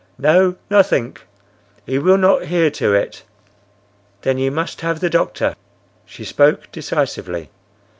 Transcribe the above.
"No, nothink. He will not hear to it." "Then you must have the doctor." She spoke decisively.